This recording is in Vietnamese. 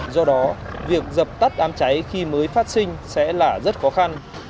do đó việc dập tắt đám cháy khi mới phát sinh sẽ là rất khó khăn